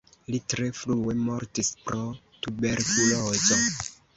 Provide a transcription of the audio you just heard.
Li tre frue mortis pro tuberkulozo.